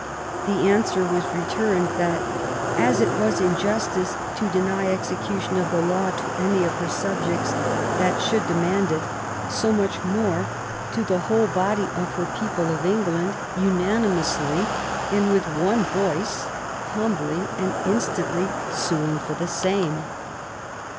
The answer was returned that "as it was injustice to deny execution of the law to any of her subjects that should demand it so much more to the whole body of her people of England, unanimously and with one voice humbly and instantly suing for the same".